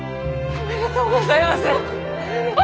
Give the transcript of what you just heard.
おめでとうございます！